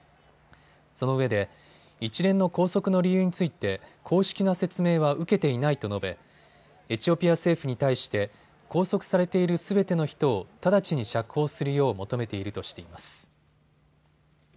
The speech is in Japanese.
そのうえで一連の拘束の理由について公式な説明は受けていないと述べエチオピア政府に対して拘束されているすべての人を直ちに釈放するよう求めているとしています。